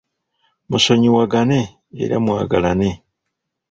Musonyiwagane era mwagalane.